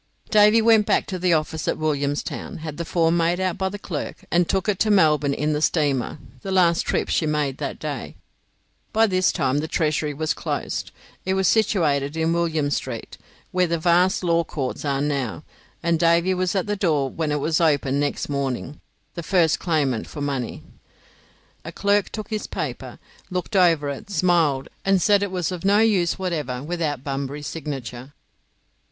Davy went back to the office at Williamstown, had the form made out by the clerk, and took it to Melbourne in the steamer, the last trip she made that day. By this time the Treasury was closed. It was situated in William Street, where the vast Law Courts are now; and Davy was at the door when it was opened next morning, the first claimant for money. A clerk took his paper, looked over it, smiled, and said it was of no use whatever without Bunbury's signature.